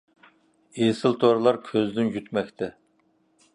ئېسىل تورلار كۆزدىن يىتمەكتە.